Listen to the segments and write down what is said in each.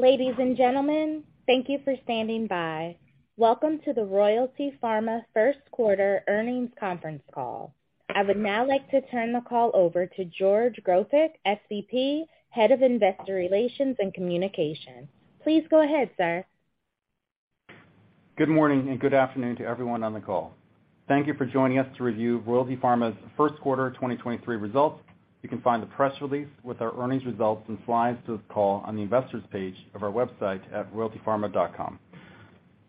Ladies and gentlemen, thank you for standing by. Welcome to the Royalty Pharma First Quarter Earnings Conference Call. I would now like to turn the call over to George Grofik, SVP, Head of Investor Relations and Communications. Please go ahead, sir. Good morning, good afternoon to everyone on the call. Thank you for joining us to review Royalty Pharma's first quarter 2023 results. You can find the press release with our earnings results and slides to this call on the Investors page of our website at royaltypharma.com.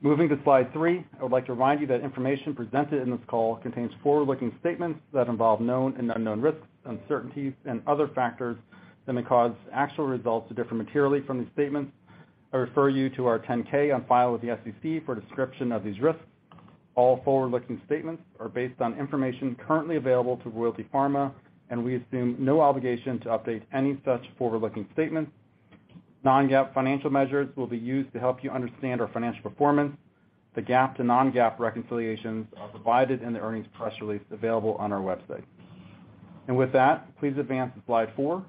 Moving to slide 3, I would like to remind you that information presented in this call contains forward-looking statements that involve known and unknown risks, uncertainties, and other factors that may cause actual results to differ materially from these statements. I refer you to our 10-K on file with the SEC for a description of these risks. All forward-looking statements are based on information currently available to Royalty Pharma, and we assume no obligation to update any such forward-looking statements. Non-GAAP financial measures will be used to help you understand our financial performance. The GAAP to non-GAAP reconciliations are provided in the earnings press release available on our website. Please advance to slide 4.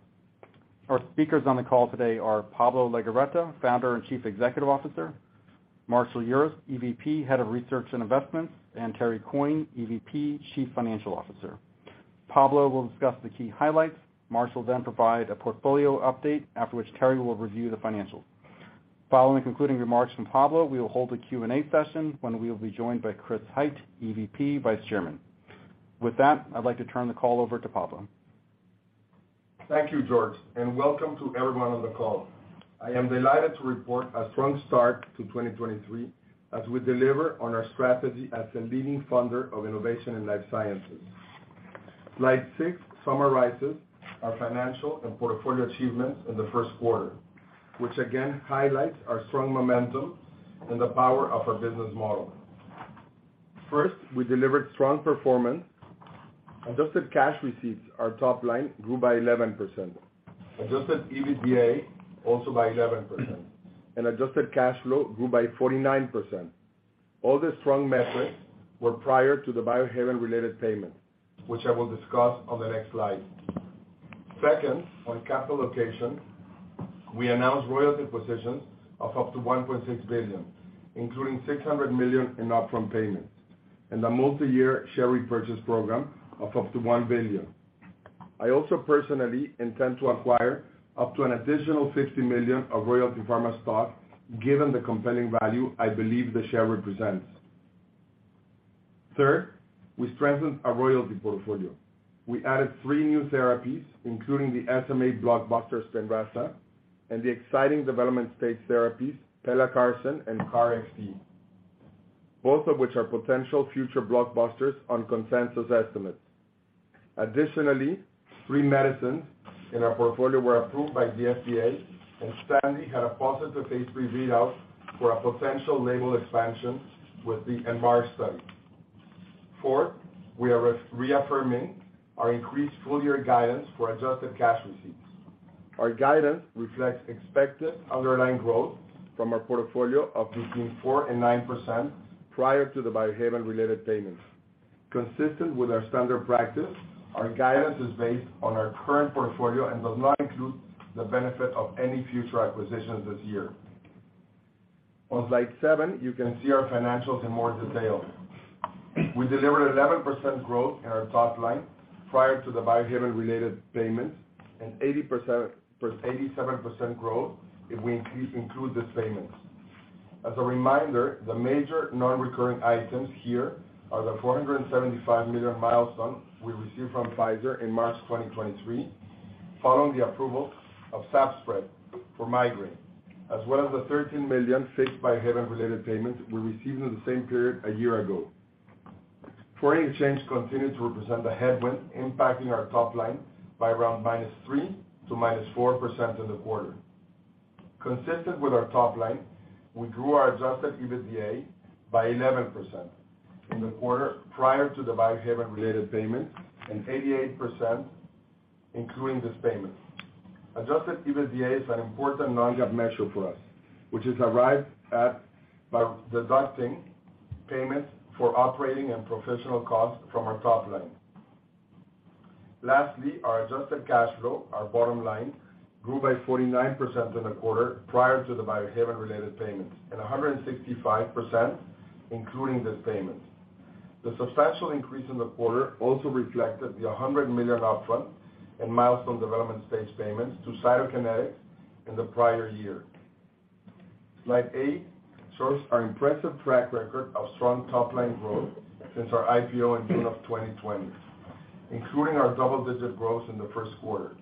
Our speakers on the call today are Pablo Legorreta, Founder and Chief Executive Officer, Marshall Urist, EVP, Head of Research and Investments, and Terry Coyne, EVP, Chief Financial Officer. Pablo will discuss the key highlights. Marshall will then provide a portfolio update, after which Terry will review the financials. Following concluding remarks from Pablo, we will hold a Q&A session when we will be joined by Chris Hite, EVP, Vice Chairman. I'd like to turn the call over to Pablo. Thank you, George, and welcome to everyone on the call. I am delighted to report a strong start to 2023 as we deliver on our strategy as the leading funder of innovation in life sciences. Slide 6 summarizes our financial and portfolio achievements in the first quarter, which again highlights our strong momentum and the power of our business model. First, we delivered strong performance. Adjusted cash receipts, our top line, grew by 11%. Adjusted EBITDA also by 11%, and adjusted cash flow grew by 49%. All the strong metrics were prior to the Biohaven-related payment, which I will discuss on the next slide. Second, on capital allocation, we announced royalty positions of up to $1.6 billion, including $600 million in upfront payments and a multi-year share repurchase program of up to $1 billion. I also personally intend to acquire up to an additional $50 million of Royalty Pharma stock given the compelling value I believe the share represents. Third, we strengthened our royalty portfolio. We added three new therapies, including the SMA blockbuster Spinraza and the exciting development-stage therapies Pelacarsen and KarXT, both of which are potential future blockbusters on consensus estimates. Additionally, three medicines in our portfolio were approved by the FDA, and Stanley had a positive phase III read out for a potential label expansion with the eMAR study. Fourth, we are reaffirming our increased full-year guidance for adjusted cash receipts. Our guidance reflects expected underlying growth from our portfolio of between 4% and 9% prior to the Biohaven-related payments. Consistent with our standard practice, our guidance is based on our current portfolio and does not include the benefit of any future acquisitions this year. On slide 7, you can see our financials in more detail. We delivered 11% growth in our top line prior to the Biohaven-related payments and 87% growth if we include the payments. As a reminder, the major non-recurring items here are the $475 million milestone we received from Pfizer in March 2023 following the approval of ZAVZPRET for migraine, as well as the $13 million saved Biohaven-related payments we received in the same period a year ago. Foreign exchange continued to represent a headwind impacting our top line by around -3% to -4% in the quarter. Consistent with our top line, we grew our Adjusted EBITDA by 11% in the quarter prior to the Biohaven-related payments and 88% including this payment. Adjusted EBITDA is an important non-GAAP measure for us, which is arrived at by deducting payments for operating and professional costs from our top line. Lastly, our adjusted cash flow, our bottom line, grew by 49% in the quarter prior to the Biohaven-related payments and 165% including this payment. The substantial increase in the quarter also reflected the $100 million upfront in milestone development stage payments to Cytokinetics in the prior year. Slide 8 shows our impressive track record of strong top-line growth since our IPO in June of 2020, including our double-digit growth in the first quarter.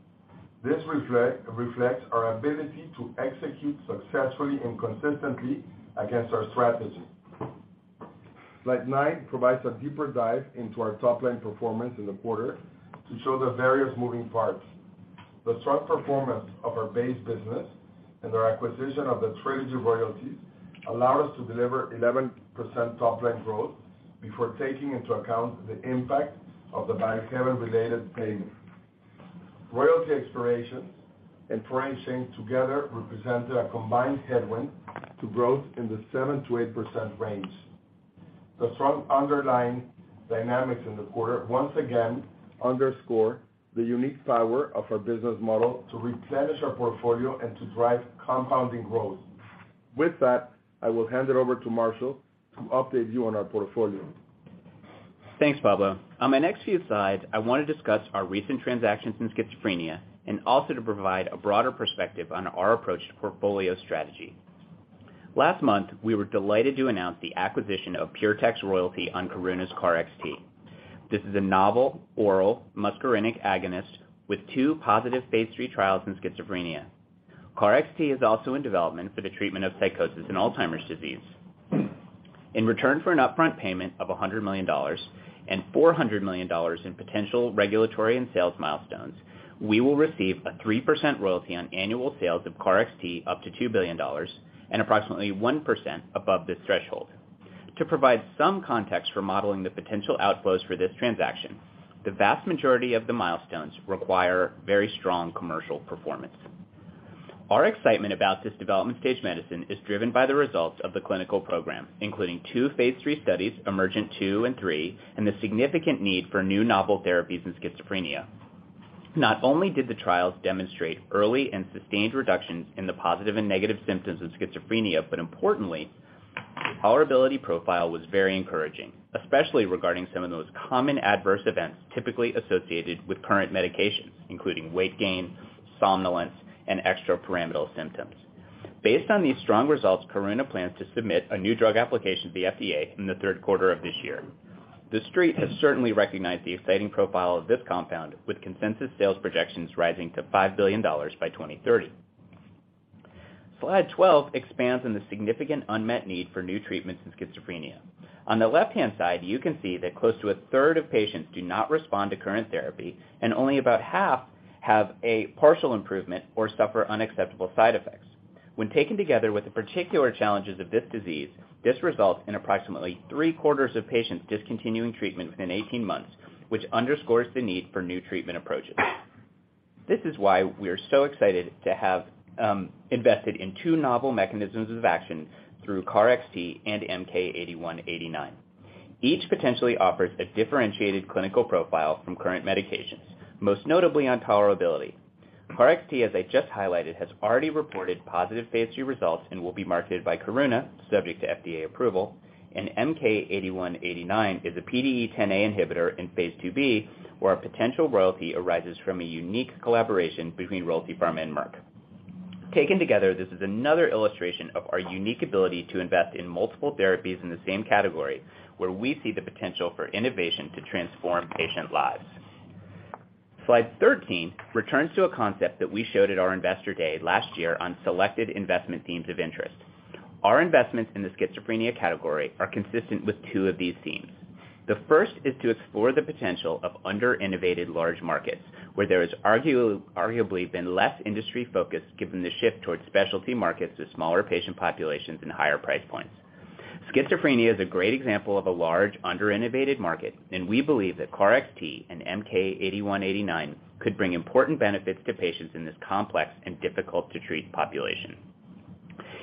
This reflects our ability to execute successfully and consistently against our strategy. Slide 9 provides a deeper dive into our top-line performance in the quarter to show the various moving parts. The strong performance of our base business and our acquisition of the TRELEGY royalties allow us to deliver 11% top-line growth before taking into account the impact of the Biohaven-related payment. Royalty expiration and foreign exchange together represented a combined headwind to growth in the 7%-8% range. The strong underlying dynamics in the quarter once again underscore the unique power of our business model to replenish our portfolio and to drive compounding growth. With that, I will hand it over to Marshall to update you on our portfolio. Thanks, Pablo. On my next few slides, I wanna discuss our recent transactions in schizophrenia and also to provide a broader perspective on our approach to portfolio strategy. Last month, we were delighted to announce the acquisition of PureTech's royalty on Karuna's KarXT. This is a novel oral muscarinic agonist with two positive phase III trials in schizophrenia. KarXT is also in development for the treatment of psychosis in Alzheimer's disease. In return for an upfront payment of $100 million and $400 million in potential regulatory and sales milestones, we will receive a 3% royalty on annual sales of KarXT up to $2 billion, and approximately 1% above this threshold. To provide some context for modeling the potential outflows for this transaction, the vast majority of the milestones require very strong commercial performance. Our excitement about this development stage medicine is driven by the results of the clinical program, including two phase III studies, EMERGENT-2 and EMERGENT-3, and the significant need for new novel therapies in schizophrenia. Not only did the trials demonstrate early and sustained reductions in the positive and negative symptoms of schizophrenia, but importantly, the tolerability profile was very encouraging, especially regarding some of those common adverse events typically associated with current medications, including weight gain, somnolence, and extrapyramidal symptoms. Based on these strong results, Karuna plans to submit a new drug application to the FDA in the 3rd quarter of this year. The Street has certainly recognized the exciting profile of this compound, with consensus sales projections rising to $5 billion by 2030. Slide 12 expands on the significant unmet need for new treatments in schizophrenia. On the left-hand side, you can see that close to a third of patients do not respond to current therapy, and only about half have a partial improvement or suffer unacceptable side effects. When taken together with the particular challenges of this disease, this results in approximately three-quarters of patients discontinuing treatment within 18 months, which underscores the need for new treatment approaches. This is why we are so excited to have invested in two novel mechanisms of action through KarXT and MK-8189. Each potentially offers a differentiated clinical profile from current medications, most notably on tolerability. KarXT, as I just highlighted, has already reported positive phase III results and will be marketed by Karuna subject to FDA approval, and MK-8189 is a PDE10A inhibitor in phase II-B, where our potential royalty arises from a unique collaboration between Royalty Pharma and Merck. Taken together, this is another illustration of our unique ability to invest in multiple therapies in the same category, where we see the potential for innovation to transform patient lives. Slide 13 returns to a concept that we showed at our Investor Day last year on selected investment themes of interest. Our investments in the schizophrenia category are consistent with two of these themes. The first is to explore the potential of under-innovated large markets, where there is arguably been less industry focus given the shift towards specialty markets to smaller patient populations and higher price points. Schizophrenia is a great example of a large under-innovated market, and we believe that KarXT and MK-8189 could bring important benefits to patients in this complex and difficult to treat population.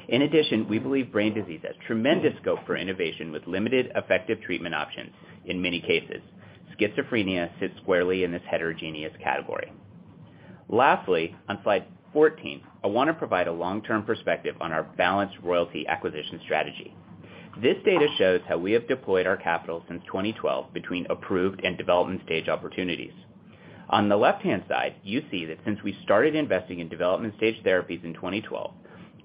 In addition, we believe brain disease has tremendous scope for innovation with limited effective treatment options in many cases. Schizophrenia sits squarely in this heterogeneous category. Lastly, on slide 14, I wanna provide a long-term perspective on our balanced royalty acquisition strategy. This data shows how we have deployed our capital since 2012 between approved and development stage opportunities. On the left-hand side, you see that since we started investing in development stage therapies in 2012,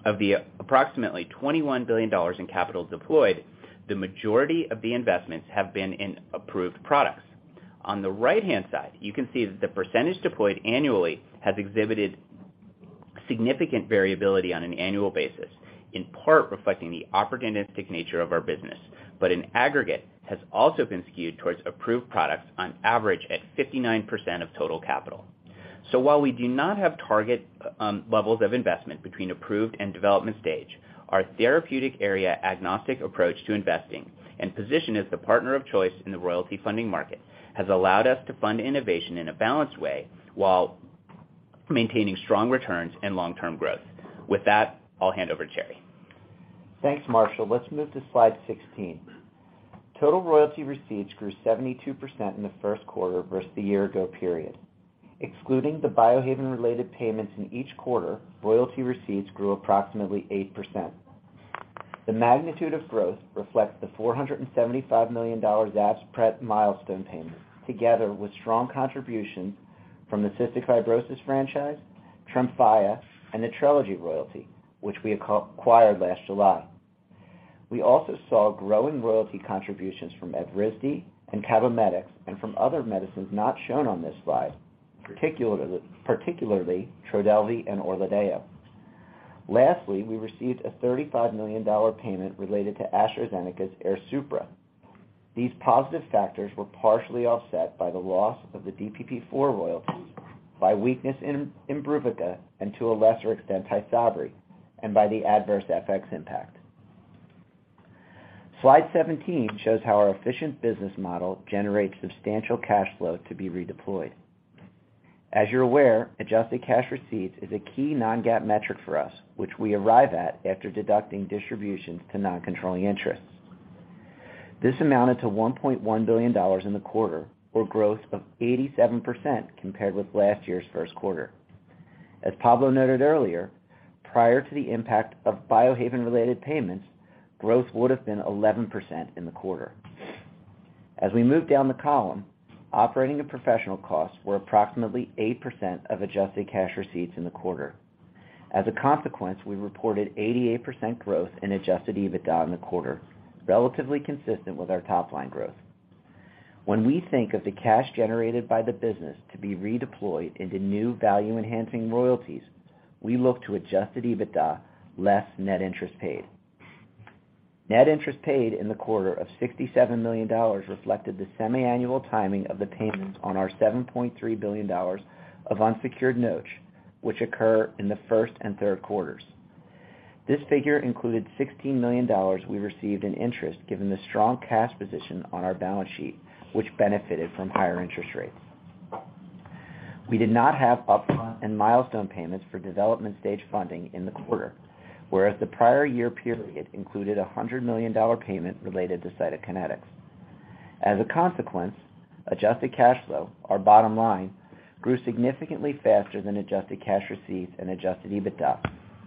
of the approximately $21 billion in capital deployed, the majority of the investments have been in approved products. On the right-hand side, you can see that the percentage deployed annually has exhibited significant variability on an annual basis, in part reflecting the opportunistic nature of our business, but in aggregate, has also been skewed towards approved products on average at 59% of total capital. While we do not have target levels of investment between approved and development stage, our therapeutic area agnostic approach to investing and position as the partner of choice in the royalty funding market has allowed us to fund innovation in a balanced way while maintaining strong returns and long-term growth. With that, I'll hand over to Terry. Thanks, Marshall. Let's move to slide 16. Total royalty receipts grew 72% in the first quarter versus the year ago period. Excluding the Biohaven related payments in each quarter, royalty receipts grew approximately 8%. The magnitude of growth reflects the $475 million AbbVie milestone payment, together with strong contributions from the cystic fibrosis franchise, TREMFYA, and the TRELEGY royalty, which we acquired last July. We also saw growing royalty contributions from Evrysdi and Cabometyx, and from other medicines not shown on this slide, particularly Trodelvy and ORLADEYO. Lastly, we received a $35 million payment related to AstraZeneca's AIRSUPRA. These positive factors were partially offset by the loss of the DPP-4 royalties by weakness in Imbruvica and to a lesser extent, TYSABRI, and by the adverse FX impact. Slide 17 shows how our efficient business model generates substantial cash flow to be redeployed. As you're aware, adjusted cash receipts is a key non-GAAP metric for us, which we arrive at after deducting distributions to non-controlling interests. This amounted to $1.1 billion in the quarter, or growth of 87% compared with last year's first quarter. As Pablo noted earlier, prior to the impact of Biohaven-related payments, growth would have been 11% in the quarter. As we move down the column, operating and professional costs were approximately 8% of adjusted cash receipts in the quarter. As a consequence, we reported 88% growth in Adjusted EBITDA in the quarter, relatively consistent with our top-line growth. When we think of the cash generated by the business to be redeployed into new value-enhancing royalties, we look to Adjusted EBITDA less net interest paid. Net interest paid in the quarter of $67 million reflected the semiannual timing of the payments on our $7.3 billion of unsecured notes, which occur in the first and third quarters. This figure included $16 million we received in interest, given the strong cash position on our balance sheet, which benefited from higher interest rates. We did not have upfront and milestone payments for development stage funding in the quarter, whereas the prior year period included a $100 million payment related to Cytokinetics. As a consequence, adjusted cash flow, our bottom line, grew significantly faster than adjusted cash receipts and Adjusted EBITDA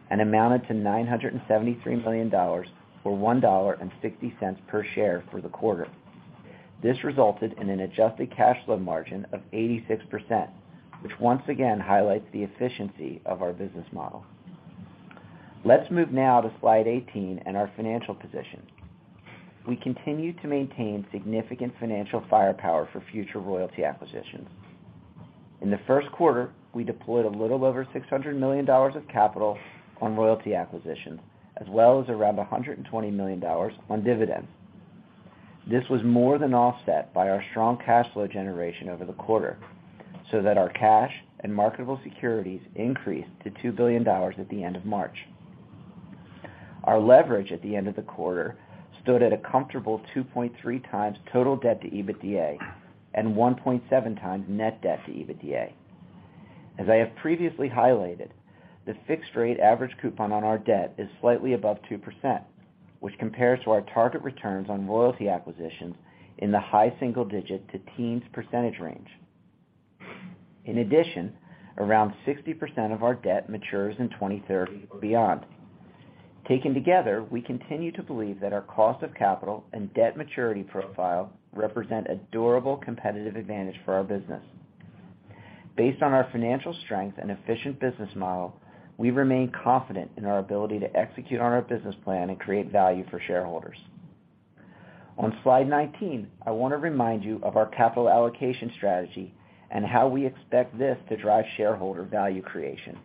and amounted to $973 million, or $1.60 per share for the quarter. This resulted in an adjusted cash flow margin of 86%, which once again highlights the efficiency of our business model. Let's move now to slide 18 and our financial position. We continue to maintain significant financial firepower for future royalty acquisitions. In the first quarter, we deployed a little over $600 million of capital on royalty acquisitions, as well as around $120 million on dividends. This was more than offset by our strong cash flow generation over the quarter, so that our cash and marketable securities increased to $2 billion at the end of March. Our leverage at the end of the quarter stood at a comfortable 2.3x total debt to EBITDA and 1.7x net debt to EBITDA. As I have previously highlighted, the fixed rate average coupon on our debt is slightly above 2%, which compares to our target returns on royalty acquisitions in the high single-digit to teens percentage range. In addition, around 60% of our debt matures in 2030 or beyond. Taken together, we continue to believe that our cost of capital and debt maturity profile represent a durable competitive advantage for our business. Based on our financial strength and efficient business model, we remain confident in our ability to execute on our business plan and create value for shareholders. On slide 19, I want to remind you of our capital allocation strategy and how we expect this to drive shareholder value creation.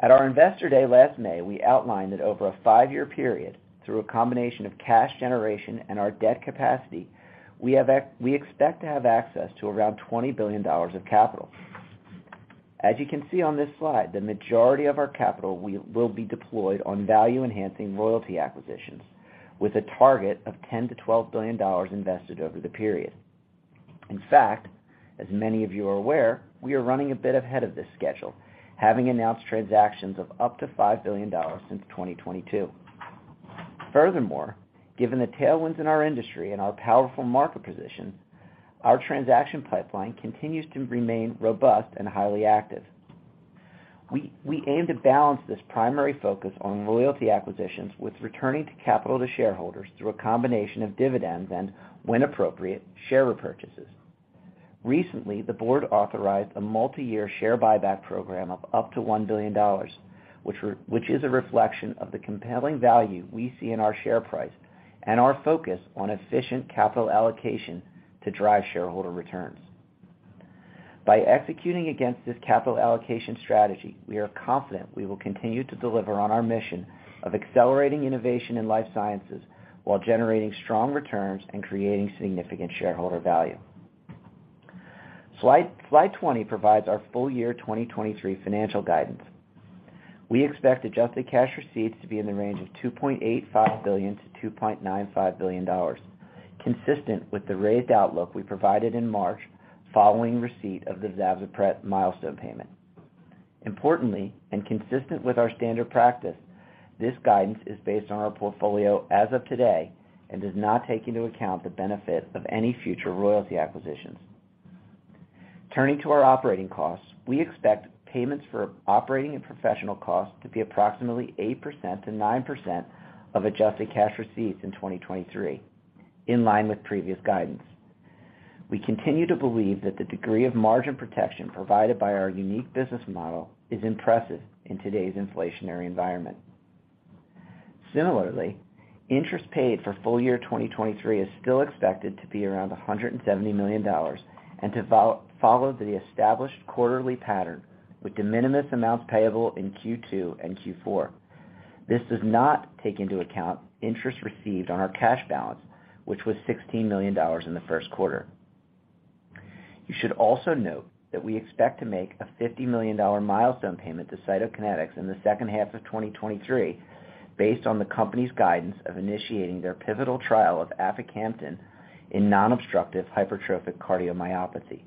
At our Investor Day last May, we outlined that over a five-year period, through a combination of cash generation and our debt capacity, we expect to have access to around $20 billion of capital. As you can see on this slide, the majority of our capital will be deployed on value-enhancing royalty acquisitions, with a target of $10 billion-$12 billion invested over the period. In fact, as many of you are aware, we are running a bit ahead of this schedule, having announced transactions of up to $5 billion since 2022. Given the tailwinds in our industry and our powerful market position, our transaction pipeline continues to remain robust and highly active. We aim to balance this primary focus on royalty acquisitions with returning to capital to shareholders through a combination of dividends and, when appropriate, share repurchases. Recently, the board authorized a multiyear share buyback program of up to $1 billion, which is a reflection of the compelling value we see in our share price and our focus on efficient capital allocation to drive shareholder returns. By executing against this capital allocation strategy, we are confident we will continue to deliver on our mission of accelerating innovation in life sciences while generating strong returns and creating significant shareholder value. Slide 20 provides our full year 2023 financial guidance. We expect adjusted cash receipts to be in the range of $2.85 billion-$2.95 billion, consistent with the raised outlook we provided in March following receipt of the ZAVZPRET milestone payment. Importantly, and consistent with our standard practice, this guidance is based on our portfolio as of today and does not take into account the benefit of any future royalty acquisitions. Turning to our operating costs, we expect payments for operating and professional costs to be approximately 8%-9% of adjusted cash receipts in 2023, in line with previous guidance. We continue to believe that the degree of margin protection provided by our unique business model is impressive in today's inflationary environment. Similarly, interest paid for full year 2023 is still expected to be around $170 million and to follow the established quarterly pattern with de minimis amounts payable in Q2 and Q4. This does not take into account interest received on our cash balance, which was $16 million in the first quarter. You should also note that we expect to make a $50 million milestone payment to Cytokinetics in the second half of 2023 based on the company's guidance of initiating their pivotal trial of Aficamten in non-obstructive hypertrophic cardiomyopathy.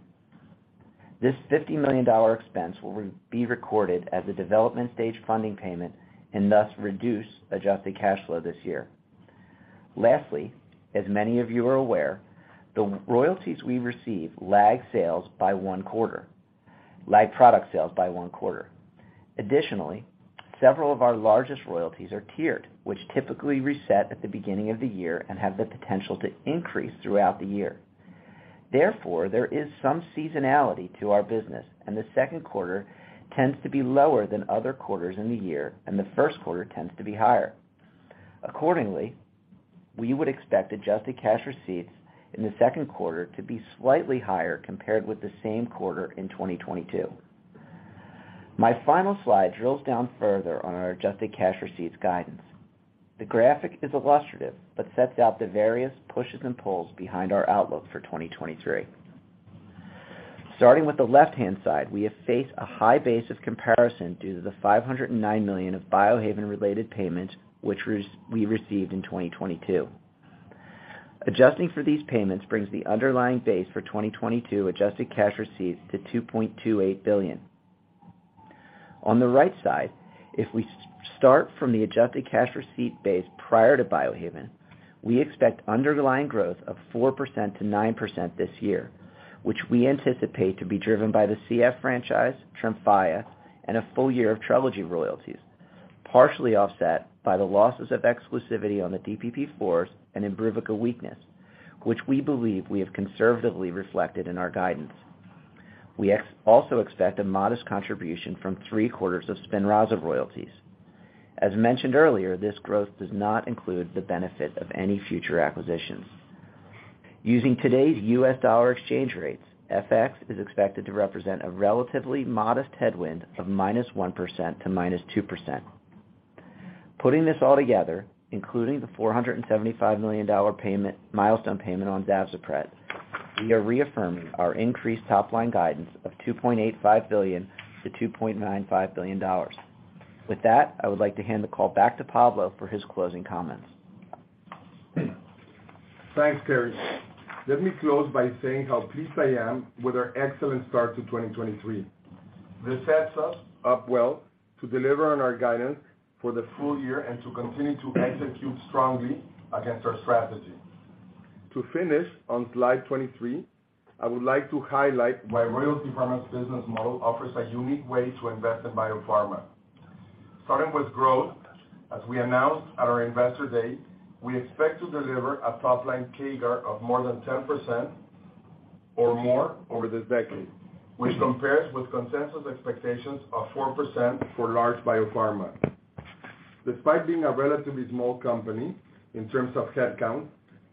This $50 million expense will be recorded as a development stage funding payment and thus reduce adjusted cash flow this year. As many of you are aware, the royalties we receive lag sales by one quarter, lag product sales by one quarter. Several of our largest royalties are tiered, which typically reset at the beginning of the year and have the potential to increase throughout the year. There is some seasonality to our business, and the second quarter tends to be lower than other quarters in the year, and the first quarter tends to be higher. Accordingly, we would expect adjusted cash receipts in the second quarter to be slightly higher compared with the same quarter in 2022. My final slide drills down further on our adjusted cash receipts guidance. The graphic is illustrative but sets out the various pushes and pulls behind our outlook for 2023. Starting with the left-hand side, we have faced a high base of comparison due to the $509 million of Biohaven-related payments, which we received in 2022. Adjusting for these payments brings the underlying base for 2022 adjusted cash receipts to $2.28 billion. On the right side, if we start from the adjusted cash receipt base prior to Biohaven, we expect underlying growth of 4%-9% this year, which we anticipate to be driven by the CF franchise, TREMFYA, and a full year of TRELEGY royalties, partially offset by the losses of exclusivity on the DPP-4s and INVOKANA weakness, which we believe we have conservatively reflected in our guidance. We also expect a modest contribution from three quarters of Spinraza royalties. As mentioned earlier, this growth does not include the benefit of any future acquisitions. Using today's U.S. dollar exchange rates, FX is expected to represent a relatively modest headwind of -1% to -2%.Putting this all together, including the $475 million milestone payment on ZAVZPRET, we are reaffirming our increased top-line guidance of $2.85 billion-$2.95 billion. With that, I would like to hand the call back to Pablo for his closing comments. Thanks, Terry. Let me close by saying how pleased I am with our excellent start to 2023. This sets us up well to deliver on our guidance for the full year and to continue to execute strongly against our strategy. To finish on slide 23, I would like to highlight why Royalty Pharma's business model offers a unique way to invest in biopharma. Starting with growth, as we announced at our Investor Day, we expect to deliver a top-line CAGR of more than 10% or more over the decade, which compares with consensus expectations of 4% for large biopharma. Despite being a relatively small company in terms of headcount,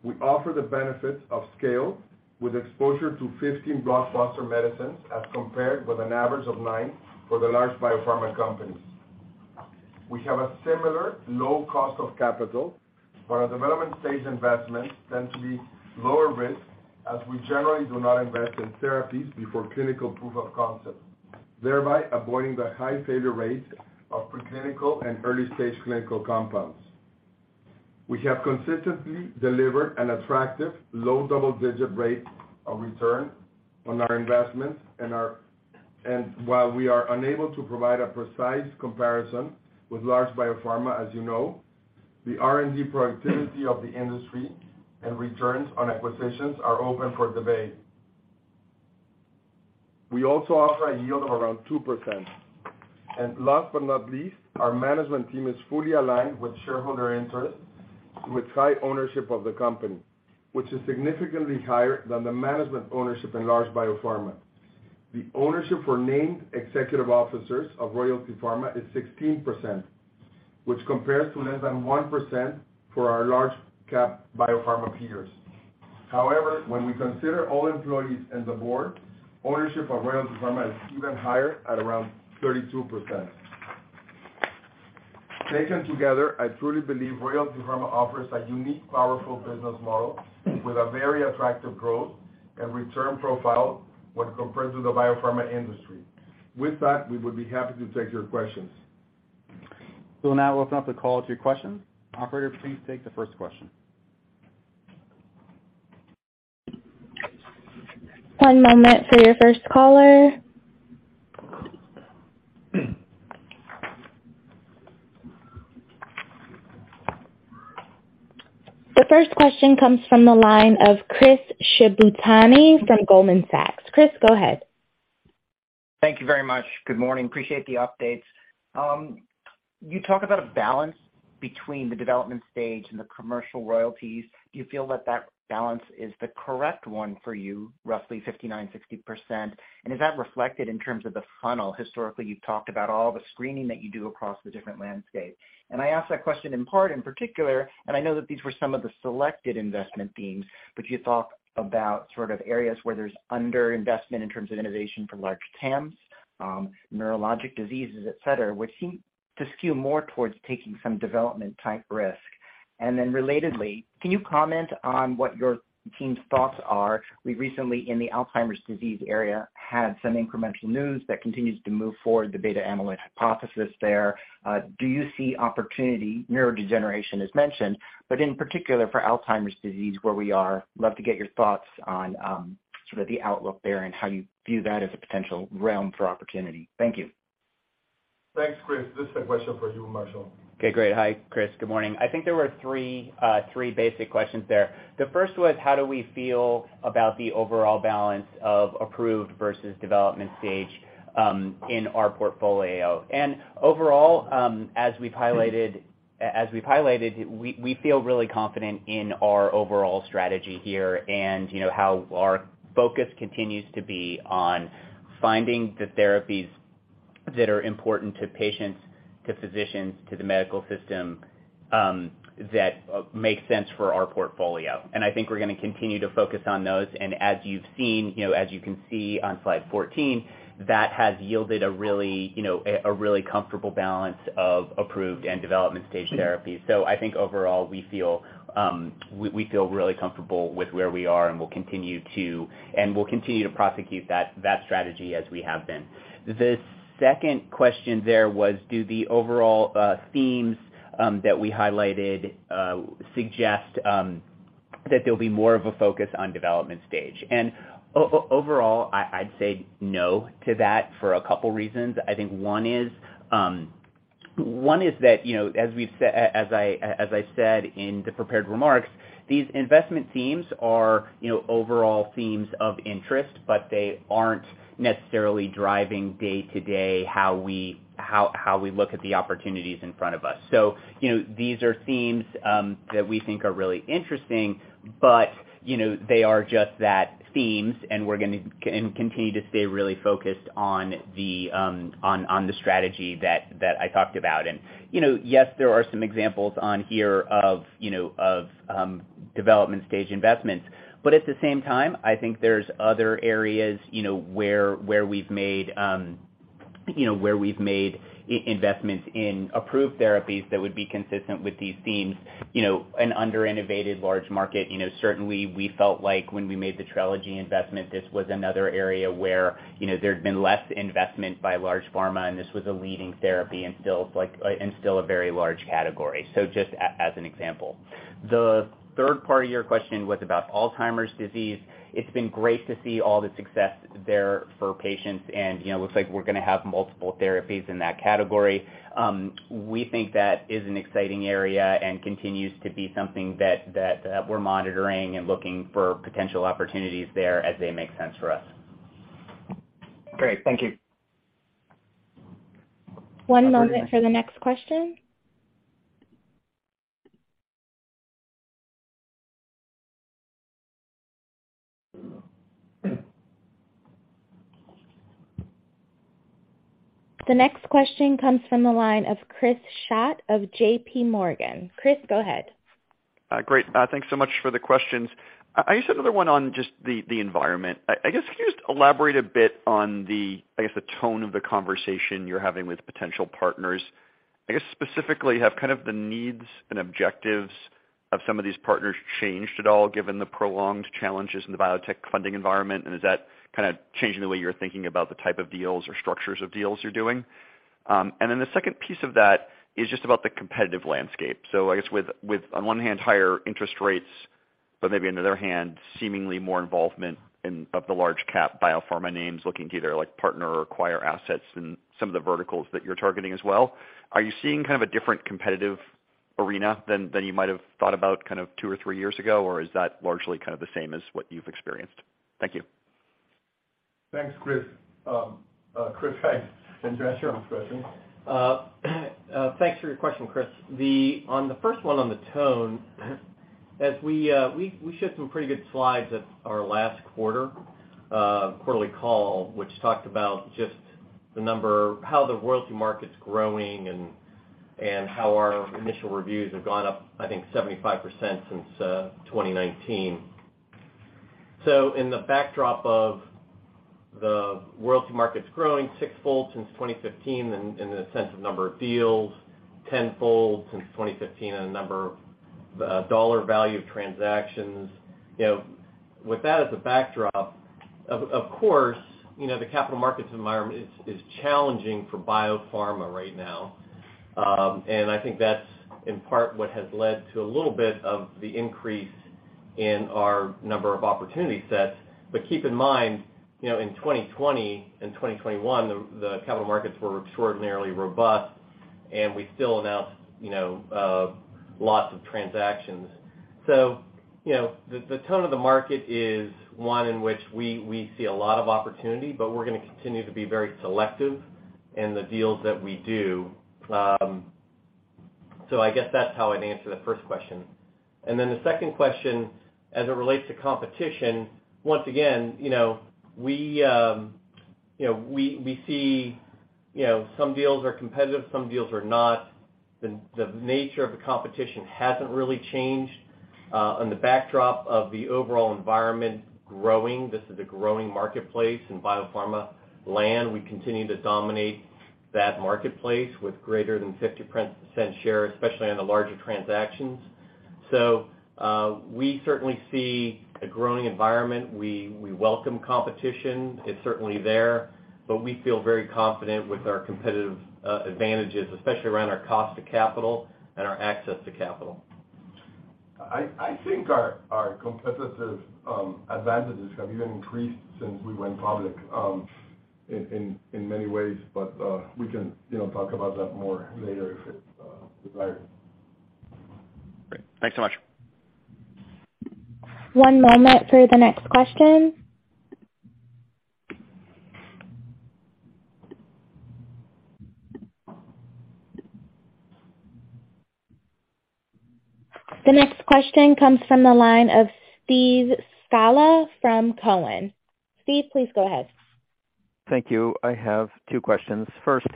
we offer the benefit of scale with exposure to 15 blockbuster medicines, as compared with an average of nine for the large biopharma companies. We have a similar low cost of capital, but our development stage investments tend to be lower risk as we generally do not invest in therapies before clinical proof of concept, thereby avoiding the high failure rates of preclinical and early-stage clinical compounds. We have consistently delivered an attractive low double-digit rate of return on our investments and while we are unable to provide a precise comparison with large biopharma, as you know, the R&D productivity of the industry and returns on acquisitions are open for debate. We also offer a yield of around 2%. Last but not least, our management team is fully aligned with shareholder interests with high ownership of the company, which is significantly higher than the management ownership in large biopharma. The ownership for named executive officers of Royalty Pharma is 16%, which compares to less than 1% for our large cap biopharma peers. When we consider all employees and the board, ownership of Royalty Pharma is even higher at around 32%. Taken together, I truly believe Royalty Pharma offers a unique, powerful business model with a very attractive growth and return profile when compared to the biopharma industry. With that, we would be happy to take your questions. We'll now open up the call to your questions. Operator, please take the first question. One moment for your first caller. The first question comes from the line of Chris Shibutani from Goldman Sachs. Chris, go ahead. Thank you very much. Good morning. Appreciate the updates. You talk about a balance between the development stage and the commercial royalties. Do you feel that that balance is the correct one for you, roughly 59%, 60%? Is that reflected in terms of the funnel? Historically, you've talked about all the screening that you do across the different landscape. I ask that question in part in particular, and I know that these were some of the selected investment themes, but you talk about sort of areas where there's underinvestment in terms of innovation for large TAMs, neurologic diseases, et cetera, which seem to skew more towards taking some development-type risk. Relatedly, can you comment on what your team's thoughts are? We recently, in the Alzheimer's disease area, had some incremental news that continues to move forward the beta amyloid hypothesis there. Do you see opportunity, neurodegeneration as mentioned, but in particular for Alzheimer's disease where we are? Love to get your thoughts on sort of the outlook there and how you view that as a potential realm for opportunity. Thank you. Thanks, Chris. This is a question for you, Marshall. Okay, great. Hi, Chris. Good morning. I think there were three basic questions there. The first was how do we feel about the overall balance of approved versus development stage in our portfolio? Overall, as we've highlighted, we feel really confident in our overall strategy here, and, you know, how our focus continues to be on finding the therapies that are important to patients, to physicians, to the medical system, that make sense for our portfolio. I think we're gonna continue to focus on those. As you've seen, you know, as you can see on slide 14, that has yielded a really comfortable balance of approved and development stage therapies. I think overall we feel really comfortable with where we are, and we'll continue to prosecute that strategy as we have been. The second question there was do the overall themes that we highlighted suggest that there'll be more of a focus on development stage. Overall, I'd say no to that for a couple reasons. I think one is that, you know, as I said in the prepared remarks, these investment themes are, you know, overall themes of interest, but they aren't necessarily driving day to day how we look at the opportunities in front of us. You know, these are themes that we think are really interesting, but, you know, they are just that, themes, we're gonna continue to stay really focused on the on the strategy that I talked about. You know, yes, there are some examples on here of, you know, of development stage investments, but at the same time, I think there's other areas, you know, where we've made, you know, where we've made investments in approved therapies that would be consistent with these themes, you know, an under innovated large market. You know, certainly we felt like when we made the TRELEGY investment, this was another area where, you know, there had been less investment by large pharma and still a very large category. Just as an example. The third part of your question was about Alzheimer's disease. It's been great to see all the success there for patients and, you know, looks like we're gonna have multiple therapies in that category. We think that is an exciting area and continues to be something that we're monitoring and looking for potential opportunities there as they make sense for us. Great. Thank you. One moment for the next question. The next question comes from the line of Chris Schott of JPMorgan. Chris, go ahead. Great. Thanks so much for the questions. I guess another one on just the environment. I guess, can you just elaborate a bit on the, I guess, the tone of the conversation you're having with potential partners? I guess specifically, have kind of the needs and objectives of some of these partners changed at all given the prolonged challenges in the biotech funding environment, and does that kinda change the way you're thinking about the type of deals or structures of deals you're doing? The second piece of that is just about the competitive landscape. I guess with on one hand, higher interest rates, but maybe on the other hand, seemingly more involvement in, of the large cap biopharma names looking to either like partner or acquire assets in some of the verticals that you're targeting as well? Are you seeing kind of a different competitive arena than you might have thought about kind of two or three years ago, or is that largely kind of the same as what you've experienced? Thank you. Thanks, Chris. Chris, address your question. Thanks for your question, Chris. On the first one on the tone, as we showed some pretty good slides at our last quarter, quarterly call, which talked about just the number, how the royalty market's growing and how our initial reviews have gone up, I think, 75% since 2019. In the backdrop of the royalty market's growing six-fold since 2015 in the sense of number of deals, 10-fold since 2015 in the number of dollar value of transactions. You know, with that as a backdrop, of course, you know, the capital markets environment is challenging for biopharma right now. I think that's in part what has led to a little bit of the increase in our number of opportunity sets. Keep in mind, you know, in 2020 and 2021, the capital markets were extraordinarily robust, and we still announced, you know, lots of transactions. You know, the tone of the market is one in which we see a lot of opportunity, but we're gonna continue to be very selective in the deals that we do. I guess that's how I'd answer the first question. Then the second question as it relates to competition, once again, you know, we, you know, we see, you know, some deals are competitive, some deals are not. The nature of the competition hasn't really changed. On the backdrop of the overall environment growing, this is a growing marketplace in biopharma land. We continue to dominate that marketplace with greater than 50% share, especially on the larger transactions. We certainly see a growing environment. We welcome competition. It's certainly there, but we feel very confident with our competitive advantages, especially around our cost to capital and our access to capital. I think our competitive advantages have even increased since we went public, in many ways. We can, you know, talk about that more later if desired. Great. Thanks so much. One moment for the next question. The next question comes from the line of Steve Scala from Cowen. Steve, please go ahead. Thank you. I have two questions. First,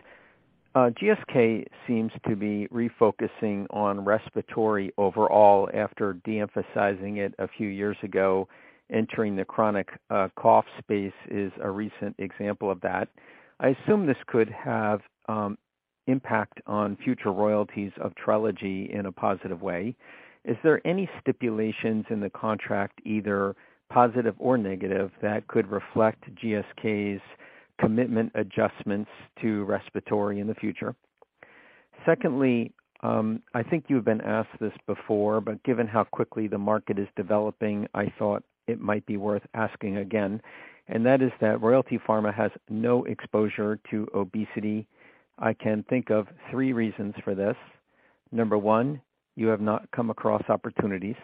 GSK seems to be refocusing on respiratory overall after de-emphasizing it a few years ago. Entering the chronic cough space is a recent example of that. I assume this could have impact on future royalties of TRELEGY in a positive way. Is there any stipulations in the contract, either positive or negative, that could reflect GSK's commitment adjustments to respiratory in the future? Secondly, I think you've been asked this before, but given how quickly the market is developing, I thought it might be worth asking again, and that is that Royalty Pharma has no exposure to obesity. I can think of three reasons for this. Number 1, you have not come across opportunities.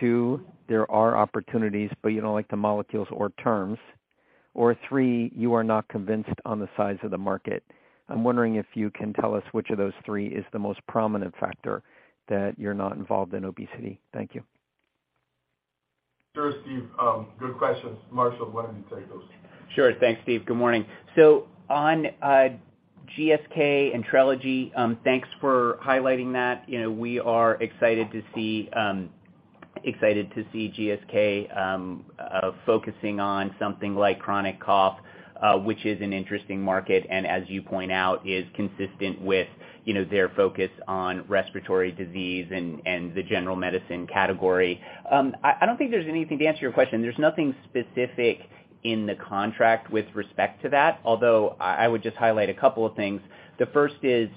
Two, there are opportunities, but you don't like the molecules or terms. Three, you are not convinced on the size of the market. I'm wondering if you can tell us which of those three is the most prominent factor that you're not involved in obesity? Thank you. Sure, Steve. Good questions. Marshall, why don't you take those? Sure. Thanks, Steve. Good morning. On GSK and TRELEGY, thanks for highlighting that. You know, we are excited to see GSK focusing on something like chronic cough, which is an interesting market, and as you point out, is consistent with, you know, their focus on respiratory disease and the general medicine category. I don't think there's anything, to answer your question, there's nothing specific in the contract with respect to that, although I would just highlight a couple of things. The first is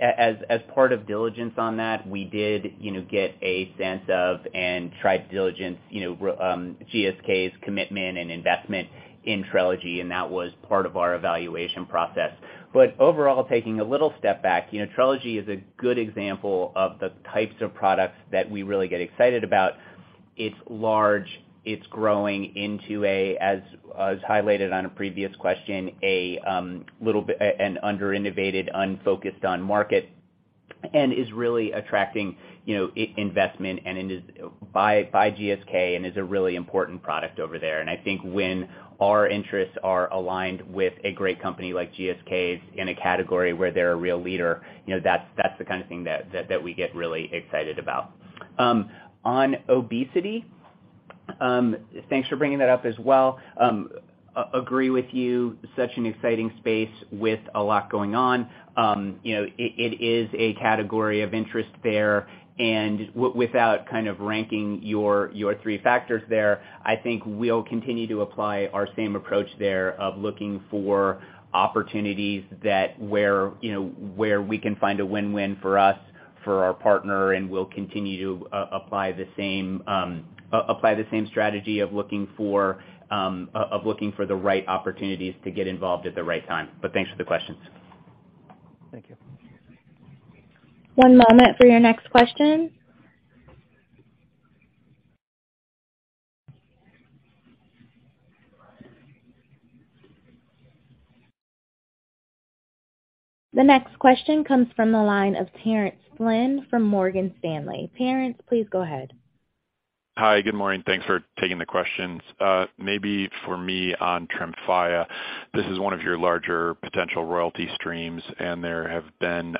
as part of diligence on that, we did, you know, get a sense of, and tried diligence, you know, GSK's commitment and investment in TRELEGY, and that was part of our evaluation process. Overall, taking a little step back, you know, TRELEGY is a good example of the types of products that we really get excited about. It's large, it's growing into a, as highlighted on a previous question, a little bit, an under-innovated, unfocused on market, and is really attracting, you know, investment and it is by GSK and is a really important product over there. I think when our interests are aligned with a great company like GSK's in a category where they're a real leader, you know, that's that we get really excited about. On obesity, thanks for bringing that up as well. Agree with you, such an exciting space with a lot going on. You know, it is a category of interest there, and without kind of ranking your three factors there, I think we'll continue to apply our same approach there of looking for opportunities that where, you know, where we can find a win-win for us, for our partner, and we'll continue to apply the same strategy of looking for the right opportunities to get involved at the right time. Thanks for the questions. Thank you. One moment for your next question. The next question comes from the line of Terrence Flynn from Morgan Stanley. Terrence, please go ahead. Hi, good morning. Thanks for taking the questions. Maybe for me on TREMFYA, this is one of your larger potential royalty streams, and there have been,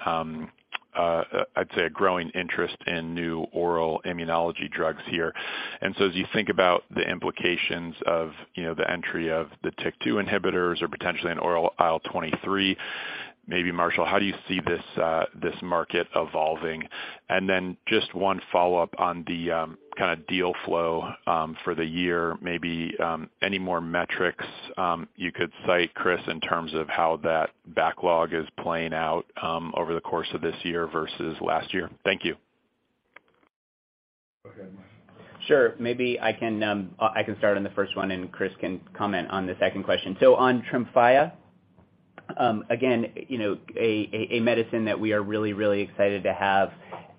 I'd say a growing interest in new oral immunology drugs here. As you think about the implications of, you know, the entry of the TYK2 inhibitors or potentially an oral IL-23, maybe Marshall, how do you see this market evolving? Just one follow-up on the kind of deal flow for the year, maybe any more metrics you could cite, Chris, in terms of how that backlog is playing out over the course of this year versus last year? Thank you. Go ahead, Marshall. Sure. Maybe I can start on the first one, and Chris can comment on the second question. On TREMFYA, again, you know, a medicine that we are really, really excited to have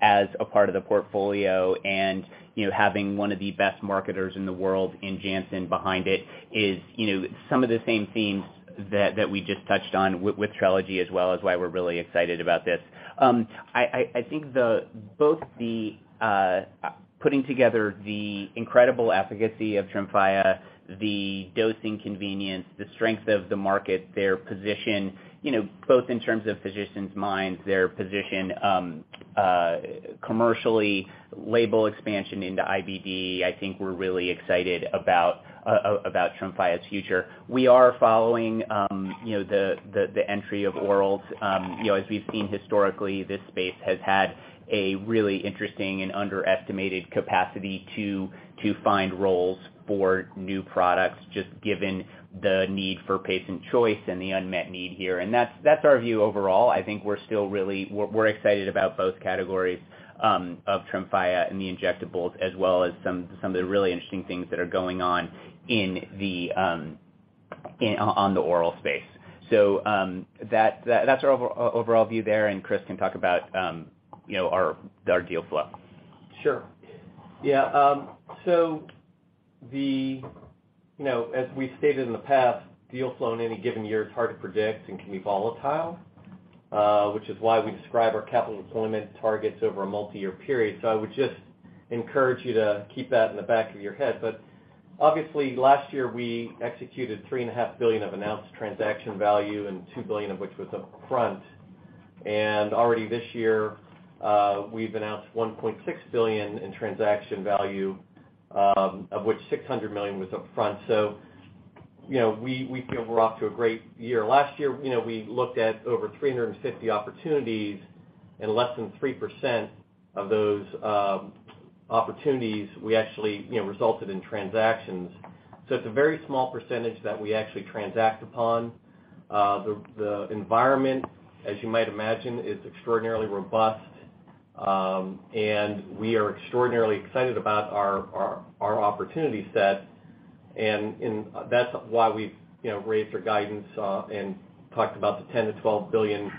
as a part of the portfolio and, you know, having one of the best marketers in the world in Janssen behind it is, you know, some of the same themes that we just touched on with TRELEGY as well is why we're really excited about this. I think the, both the putting together the incredible efficacy of TREMFYA, the dosing convenience, the strength of the market, their position, you know, both in terms of physicians' minds, their position, commercially, label expansion into IBD, I think we're really excited about TREMFYA's future. We are following, you know, the entry of orals. You know, as we've seen historically, this space has had a really interesting and underestimated capacity to find roles for new products, just given the need for patient choice and the unmet need here. That's our view overall. I think we're still really. We're excited about both categories of TREMFYA and the injectables, as well as some of the really interesting things that are going on in the oral space. That's our overall view there, and Chris can talk about, you know, our deal flow. Sure. Yeah, you know, as we stated in the past, deal flow in any given year is hard to predict and can be volatile, which is why we describe our capital deployment targets over a multiyear period. I would just encourage you to keep that in the back of your head. Obviously, last year, we executed three and a half billion of announced transaction value, and $2 billion of which was upfront. Already this year, we've announced $1.6 billion in transaction value, of which $600 million was upfront. You know, we feel we're off to a great year. Last year, you know, we looked at over 350 opportunities and less than 3% of those opportunities we actually, you know, resulted in transactions. It's a very small percentage that we actually transact upon. The environment, as you might imagine, is extraordinarily robust, and we are extraordinarily excited about our opportunity set. That's why we've, you know, raised our guidance and talked about the $10 billion-$12 billion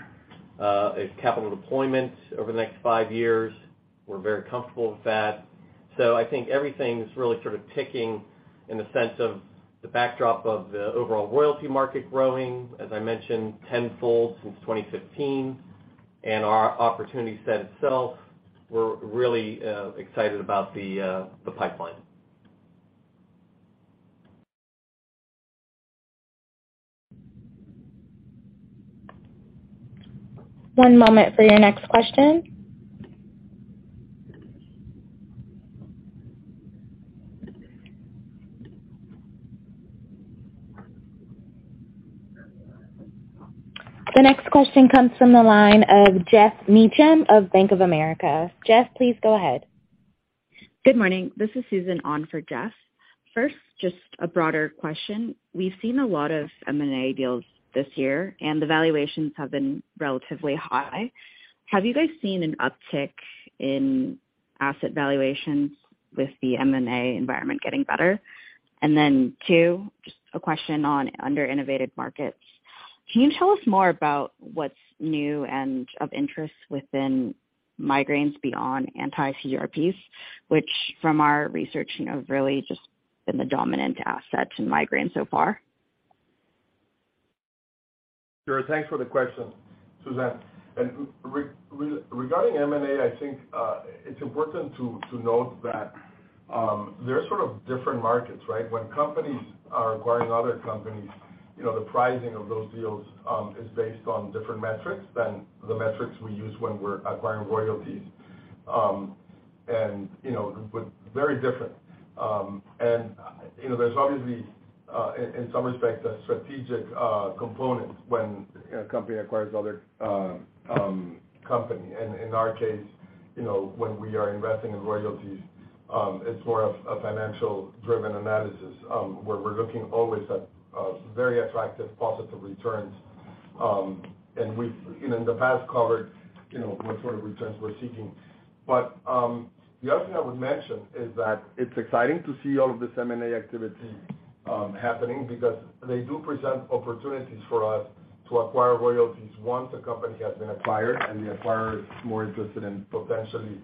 as capital deployment over the next five years. We're very comfortable with that. I think everything's really sort of ticking in the sense of the backdrop of the overall royalty market growing, as I mentioned, tenfold since 2015. Our opportunity set itself, we're really excited about the pipeline. One moment for your next question. The next question comes from the line of Geoff Meacham of Bank of America. Jeff, please go ahead. Good morning, this is Susan on for Geoff. First, just a broader question. We've seen a lot of M&A deals this year, and the valuations have been relatively high. Have you guys seen an uptick in asset valuations with the M&A environment getting better? Two, just a question on under innovated markets. Can you tell us more about what's new and of interest within migraines beyond anti CGRPs, which from our research, you know, have really just been the dominant asset to migraine so far? Sure. Thanks for the question, Susan. Regarding M&A, I think it's important to note that they're sort of different markets, right? When companies are acquiring other companies, you know, the pricing of those deals is based on different metrics than the metrics we use when we're acquiring royalties. You know, but very different. You know, there's obviously in some respects a strategic component when a company acquires other company. In our case, you know, when we are investing in royalties, it's more of a financial driven analysis, where we're looking always at very attractive positive returns. We've, you know, in the past covered, you know, what sort of returns we're seeking. The other thing I would mention is that it's exciting to see all of this M&A activity happening because they do present opportunities for us to acquire royalties once a company has been acquired and the acquirer is more interested in potentially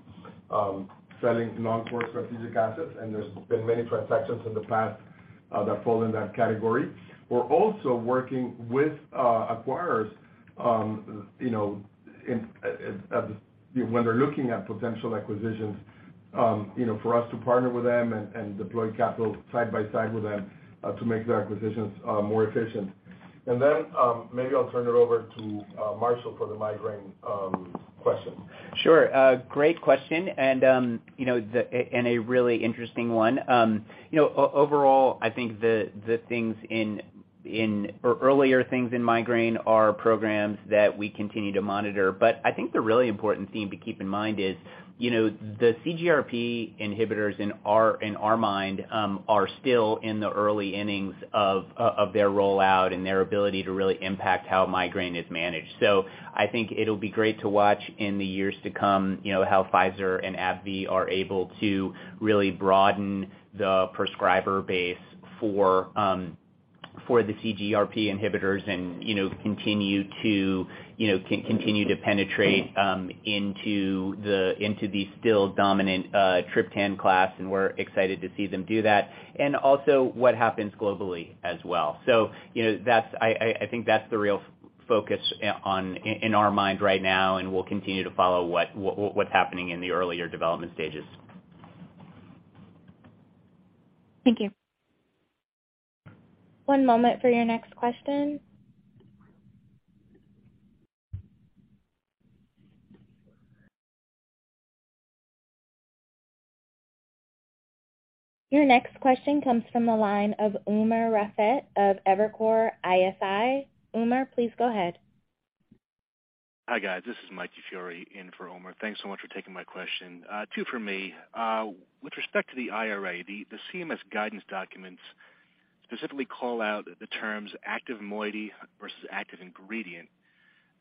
selling non-core strategic assets. There's been many transactions in the past that fall in that category. We're also working with acquirers, you know, when they're looking at potential acquisitions, you know, for us to partner with them and deploy capital side by side with them to make their acquisitions more efficient. Maybe I'll turn it over to Marshall for the migraine question. Sure. Great question. You know, and a really interesting one. You know, overall, I think the things in earlier things in migraine are programs that we continue to monitor. I think the really important theme to keep in mind is, you know, the CGRP inhibitors in our mind are still in the early innings of their rollout and their ability to really impact how migraine is managed. I think it'll be great to watch in the years to come, you know, how Pfizer and AbbVie are able to really broaden the prescriber base for the CGRP inhibitors and, you know, continue to, you know, continue to penetrate into the still dominant triptan class, and we're excited to see them do that, and also what happens globally as well. You know, that's I think that's the real focus in our mind right now, and we'll continue to follow what's happening in the earlier development stages. Thank you. One moment for your next question. Your next question comes from the line of Umer Raffat of Evercore ISI. Umer, please go ahead. Hi, guys. This is Mike DiFiore in for Umer. Thanks so much for taking my question. Two for me. With respect to the IRA, the CMS guidance documents specifically call out the terms active moiety versus active ingredient.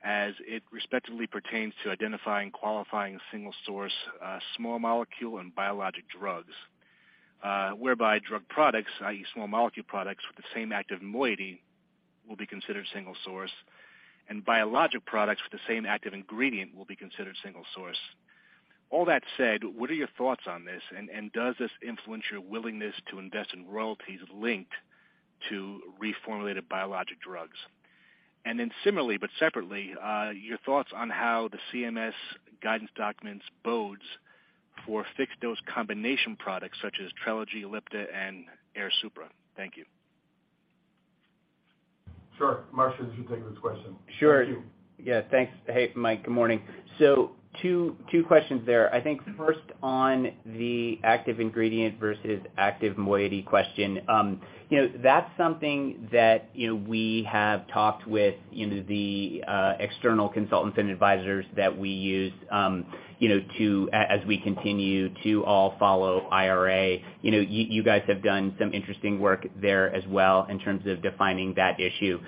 As it respectively pertains to identifying, qualifying single source, small molecule and biologic drugs, whereby drug products, i.e. small molecule products with the same active moiety will be considered single source, and biologic products with the same active ingredient will be considered single source. All that said, what are your thoughts on this, and does this influence your willingness to invest in royalties linked to reformulated biologic drugs? Similarly but separately, your thoughts on how the CMS guidance documents bodes for fixed dose combination products such as TRELEGY ELLIPTA and AIRSUPRA. Thank you. Sure. Marshall should take this question. Sure. Thank you. Thanks. Hey, Mike, good morning. Two questions there. I think first on the active ingredient versus active moiety question. You know, that's something that, you know, we have talked with, you know, the external consultants and advisors that we use, you know, as we continue to all follow IRA. You know, you guys have done some interesting work there as well in terms of defining that issue.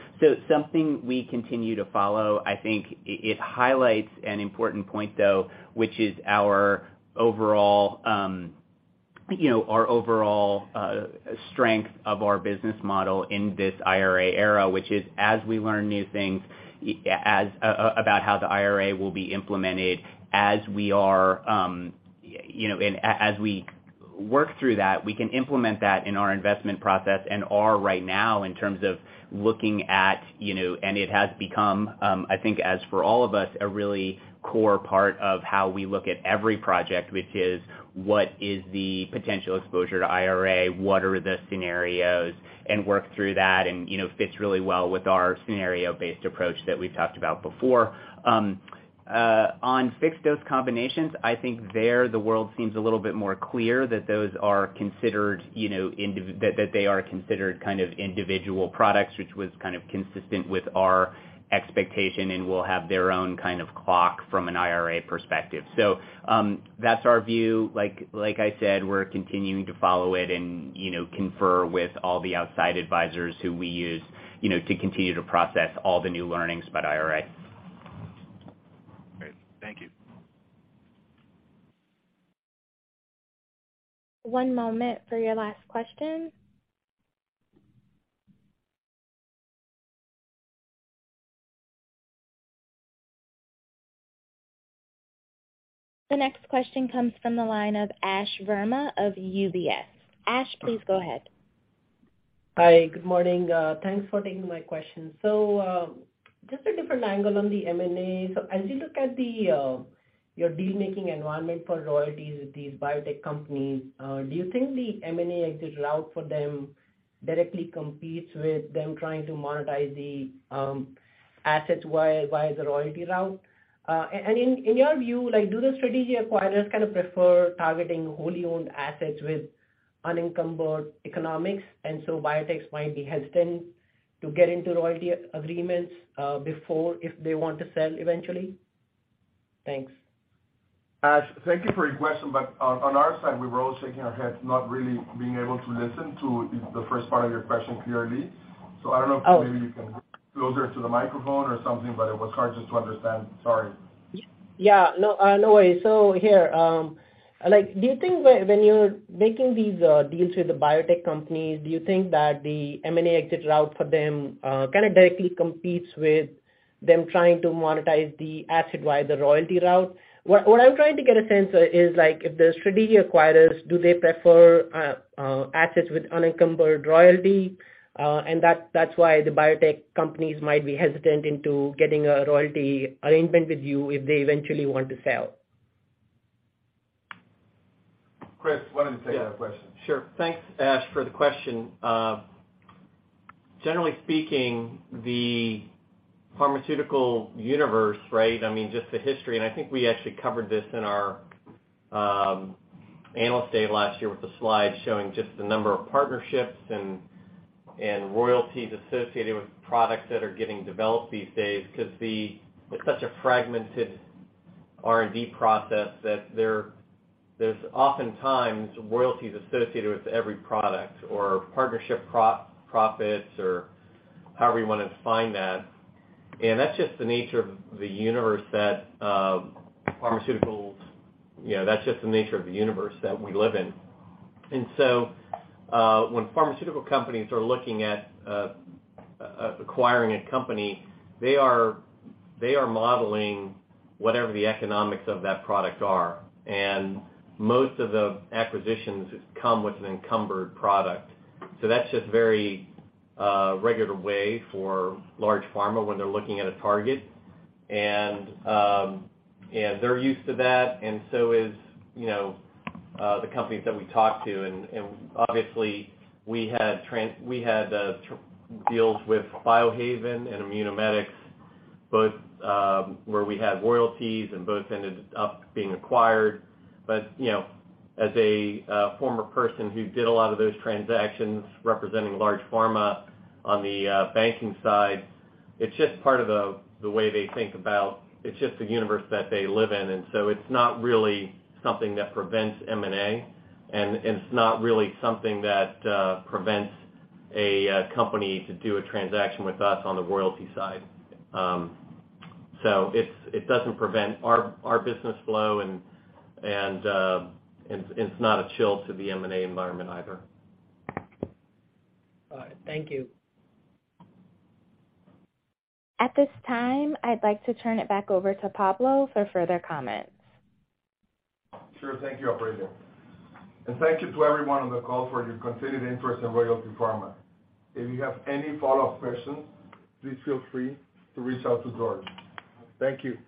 Something we continue to follow. I think it highlights an important point, though, which is our overall, you know, our overall strength of our business model in this IRA era, which is, as we learn new things about how the IRA will be implemented, as we are, you know, as we work through that, we can implement that in our investment process and are right now in terms of looking at, you know. And it has become, I think as for all of us, a really core part of how we look at every project, which is what is the potential exposure to IRA, what are the scenarios, and work through that and, you know, fits really well with our scenario-based approach that we've talked about before. On fixed dose combinations, I think there, the world seems a little bit more clear that those are considered, you know, that they are considered kind of individual products, which was kind of consistent with our expectation and will have their own kind of clock from an IRA perspective. That's our view. Like I said, we're continuing to follow it and, you know, confer with all the outside advisors who we use, you know, to continue to process all the new learnings about IRA. Great. Thank you. One moment for your last question. The next question comes from the line of Ash Verma of UBS. Ash, please go ahead. Hi, good morning. Thanks for taking my question. Just a different angle on the M&A. As you look at your deal-making environment for royalties with these biotech companies, do you think the M&A exit route for them directly competes with them trying to monetize the assets via the royalty route? In your view, do the strategic acquirers prefer targeting wholly owned assets with unencumbered economics, and so biotechs might be hesitant to get into royalty agreements before if they want to sell eventually? Thanks. Ash, thank you for your question, on our side, we're all shaking our heads, not really being able to listen to the first part of your question clearly. I don't know if maybe you can get closer to the microphone or something, but it was hard just to understand. Sorry. No, no worries. Here, like, do you think when you're making these deals with the biotech companies, do you think that the M&A exit route for them kind of directly competes with them trying to monetize the asset via the royalty route? What I'm trying to get a sense of is like if the strategic acquirers, do they prefer assets with unencumbered royalty, and that's why the biotech companies might be hesitant into getting a royalty arrangement with you if they eventually want to sell? Chris, why don't you take that question? Yeah, sure. Thanks, Ash, for the question. Generally speaking, the pharmaceutical universe, right? I mean, just the history, and I think we actually covered this in our analyst day last year with the slide showing just the number of partnerships and royalties associated with products that are getting developed these days, 'cause with such a fragmented R&D process that there's oftentimes royalties associated with every product or partnership profits or however you wanna define that. That's just the nature of the universe that pharmaceuticals, you know, that we live in. When pharmaceutical companies are looking at acquiring a company, they are modeling whatever the economics of that product are. Most of the acquisitions come with an encumbered product. That's just very regular way for large pharma when they're looking at a target. They're used to that and so is, you know, the companies that we talk to. Obviously we had deals with Biohaven and Immunomedics, both, where we had royalties and both ended up being acquired. You know, as a former person who did a lot of those transactions representing large pharma on the banking side, it's just part of the way they think about. It's just the universe that they live in. It's not really something that prevents M&A, and it's not really something that prevents a company to do a transaction with us on the royalty side. It's, it doesn't prevent our business flow and, it's not a chill to the M&A environment either. All right. Thank you. At this time, I'd like to turn it back over to Pablo for further comments. Sure. Thank you, operator. Thank you to everyone on the call for your continued interest in Royalty Pharma. If you have any follow-up questions, please feel free to reach out to George. Thank you.